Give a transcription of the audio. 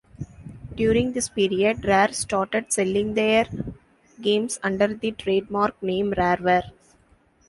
During this period, Rare started selling their games under the trademark name "Rareware".